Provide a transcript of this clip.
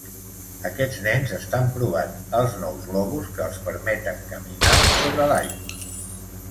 Aquests nens estan provant els nous globus que els permeten caminar sobre l'aigua.